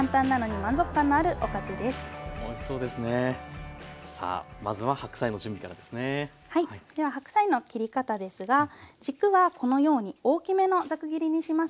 では白菜の切り方ですが軸はこのように大きめのザク切りにします。